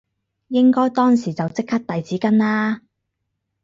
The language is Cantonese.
應該當時就即刻遞紙巾啦